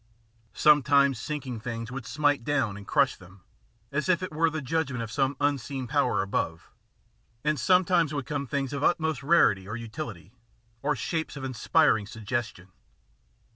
Sometimes sinking things would smite down and crush them, as if it were the judg ment of some unseen power above, and sometimes would come things of the utmost rarity or utility, or shapes of inspiring suggestion.